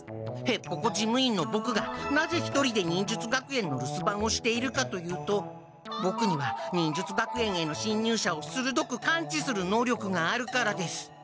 へっぽこ事務員のボクがなぜ一人で忍術学園の留守番をしているかというとボクには忍術学園へのしんにゅう者をするどく感知する能力があるからです。